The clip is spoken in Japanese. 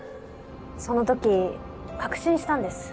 その時確信したんです。